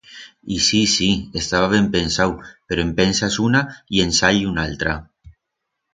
Y sí, sí, estaba ben pensau, pero en pensas una y en sall unaltra.